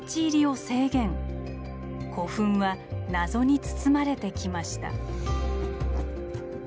古墳は謎に包まれてきました。